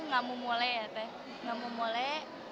ngga mau mulai kebudayaan kita